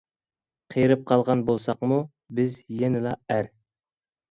قېرىپ قالغان بولساقمۇ بىز يەنىلا ئەر.